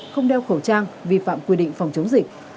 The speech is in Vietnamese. không đeo khẩu trang vi phạm quy định phòng chống dịch